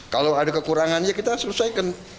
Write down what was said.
kalau ada kekurangan ya kita selesaikan